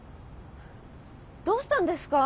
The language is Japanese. どうしたんですか？